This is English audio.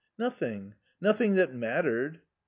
"Nothing. Nothing that mattered."